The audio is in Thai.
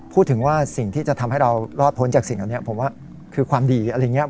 พูดถึงว่าสิ่งที่จะทำให้เรารอดพ้นจากสิ่งเหล่านี้ผมว่าคือความดีอะไรอย่างนี้